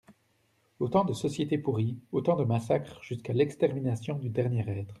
Autant de sociétés pourries, autant de massacres, jusqu'à l'extermination du dernier être.